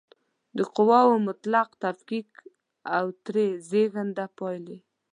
د قواوو مطلق تفکیک او ترې زېږنده پایلې